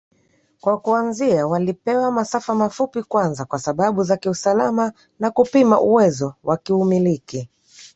Kwa kuanzia walipewa masafa mafupi kwanza kwa sababu za kiusalama na kupima uwezo wakiumiliki